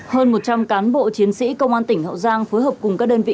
hơn một trăm linh cán bộ chiến sĩ công an tỉnh hậu giang phối hợp cùng các đơn vị